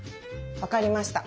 わかりました。